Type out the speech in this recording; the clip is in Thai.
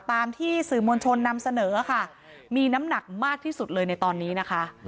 ตามที่สื่อมวลชนนำเสนอค่ะมีน้ำหนักมากที่สุดเลยในตอนนี้นะคะ